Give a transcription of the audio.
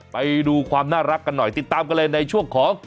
ไปดูความน่ารักกันหน่อยติดตามกันเลยในช่วงของ